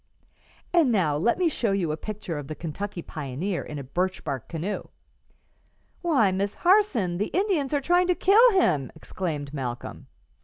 "And now let me show you a picture of the Kentucky pioneer in a birch bark canoe." "Why, Miss Harson, the Indians are trying to kill him!" exclaimed Malcolm.